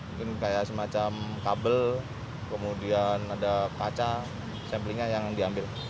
mungkin kayak semacam kabel kemudian ada kaca samplingnya yang diambil